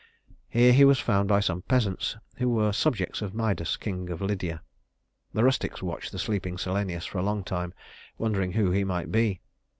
Here he was found by some peasants, who were subjects of Midas, king of Lydia. The rustics watched the sleeping Silenus for a long time, wondering who he might be.